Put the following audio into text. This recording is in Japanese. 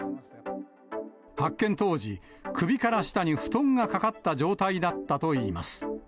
発見当時、首から下に布団がかかった状態だったといいます。